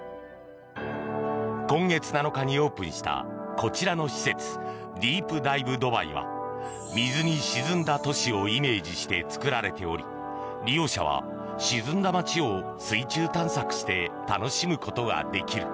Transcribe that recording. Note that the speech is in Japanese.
今月７日にオープンしたこちらの施設ディープ・ダイブ・ドバイは水に沈んだ都市をイメージして作られており利用者は沈んだ街を水中探索して楽しむことができる。